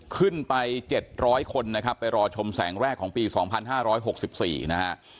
ขึ้นไป๗๐๐คนนะครับไปรอชมแสงแรกของปี๒๕๖๔นะฮะ